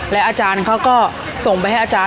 อาจารย์เขาก็ส่งไปให้อาจารย์